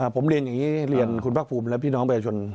ผมเรียนอย่างนี้เรียนคุณภาคภูมิและพี่น้องประชาชน